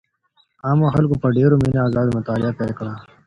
عامو خلګو په ډېره مينه ازاده مطالعه پيل کړه.